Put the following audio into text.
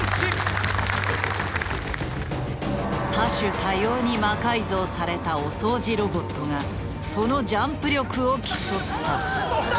多種多様に魔改造されたお掃除ロボットがそのジャンプ力を競った。